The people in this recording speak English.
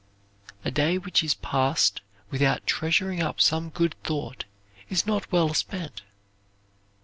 A day which is passed without treasuring up some good thought is not well spent.